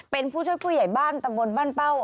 เป็นผู้ช่วยผู้ใหญ่บ้านตำบลบ้านเป้า